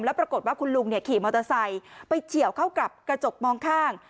แล้วปรากฏว่าคุณลุงขี่มอเตอร์ไซค์ไปเฉียวเข้ากับกระจกมองข้าง